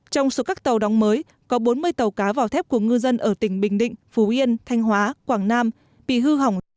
trong số các tàu đóng mới có bốn mươi tàu cá vào thép của ngư dân ở tỉnh bình định phú yên thanh hóa quảng nam bị hư hỏng